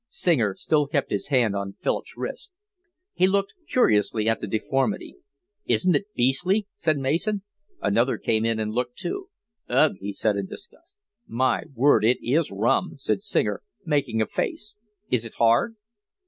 Singer still kept his hand on Philip's wrist. He looked curiously at the deformity. "Isn't it beastly?" said Mason. Another came in and looked too. "Ugh," he said, in disgust. "My word, it is rum," said Singer, making a face. "Is it hard?"